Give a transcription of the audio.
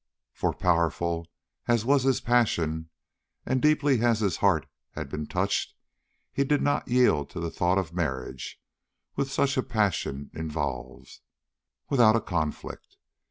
For, powerful as was his passion and deeply as his heart had been touched, he did not yield to the thought of marriage which such a passion involves, without a conflict.